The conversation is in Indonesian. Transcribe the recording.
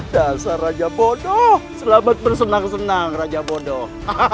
dasar raja bodoh selamat bersenang senang raja bodoh